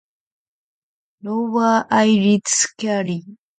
Lower eyelid scaly.